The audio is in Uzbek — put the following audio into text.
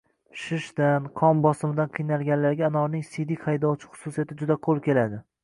Shishishdan, qon bosimidan qiynalganlarga anorning siydik haydovchi xususiyati juda qo‘l keladi.